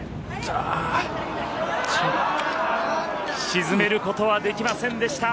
沈めることはできませんでした。